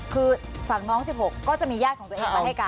คือฝั่งน้อง๑๖ก็จะมีญาติของตัวเองมาให้การ